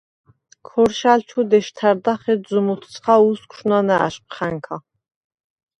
ქორშა̈რ ჩუ დეშ თა̈რდახ, ეჩზუმ ოთცხა უსგვშ ნანაშყვხა̈ნქა.